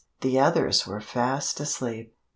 The others were fast asleep.